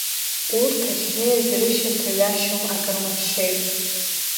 Урҭ ахьнеиз, рышьҭа ҩашьом, акамыршшеиԥш!